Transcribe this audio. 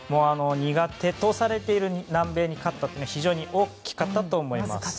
苦手とされている南米に勝ったっていうのは非常に大きかったと思います。